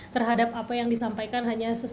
terhadap apa yang disampaikan hanya sesuai dengan